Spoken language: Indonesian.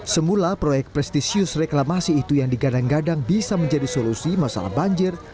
semula proyek prestisius reklamasi itu yang digadang gadang bisa menjadi solusi masalah banjir